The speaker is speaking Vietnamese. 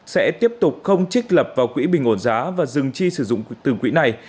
sẽ tiếp tục không trích lập vào quỹ bình ổn giá và dừng chi sử dụng từ quỹ này